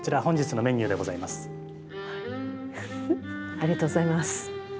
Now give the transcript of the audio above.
ありがとうございます。